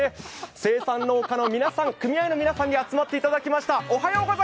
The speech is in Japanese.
生産農家の皆さん、組合の皆さんに集まっていただきました。